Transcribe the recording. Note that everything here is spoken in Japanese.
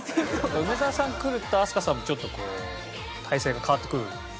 梅澤さんが来ると飛鳥さんもちょっとこう態勢が変わってくるねっ？